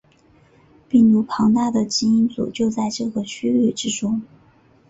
病毒庞大的基因组就在这个区域之中。